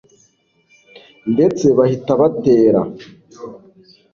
ndetse bahita batera